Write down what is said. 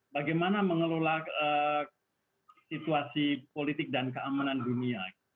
bagaimana mengelola situasi politik dan keamanan dunia